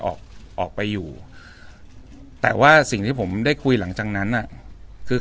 ออกออกไปอยู่แต่ว่าสิ่งที่ผมได้คุยหลังจากนั้นอ่ะคือ